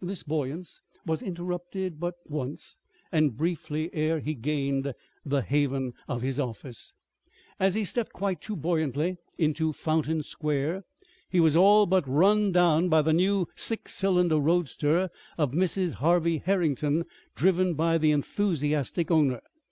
This buoyance was interrupted but once, and briefly, ere he gained the haven of his office. As he stepped quite too buoyantly into Fountain Square, he was all but run down by the new six cylinder roadster of Mrs. Harvey Herrington, driven by the enthusiastic owner.